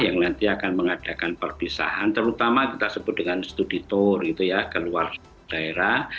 yang nanti akan mengadakan perpisahan terutama kita sebut dengan studi tour gitu ya ke luar daerah